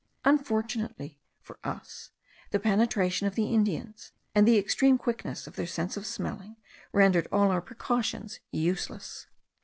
Unfortunately for us, the penetration of the Indians, and the extreme quickness of their sense of smelling, rendered all our precautions useless.